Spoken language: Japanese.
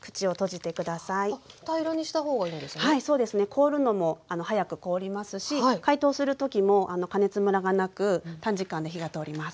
凍るのも速く凍りますし解凍する時も加熱ムラがなく短時間で火が通ります。